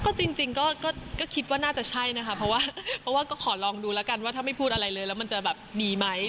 ก็จริงก็คิดว่าน่าจะใช่นะคะเพราะว่าก็ขอลองดูแล้วกันว่าถ้าไม่พูดอะไรเลยแล้วมันจะแบบดีไหม